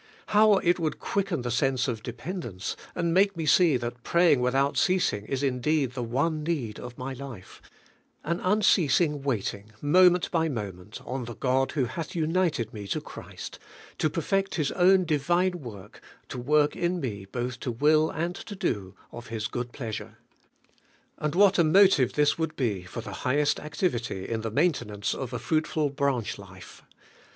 How it would quicken the sense of dependence, and make me see that praying without ceasing is indeed the one need of my life,— an un ceasing waiting, moment by moment, on the God who hath united me to Christ, to perfect His own Divine work, to work in me both to will and to do of His good pleasure. And what a motive this would be for the highest activity in the maintenance of a fruitful branch life!